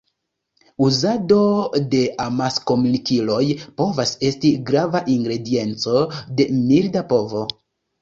Uzado de amaskomunikiloj povas esti grava ingredienco de milda povo.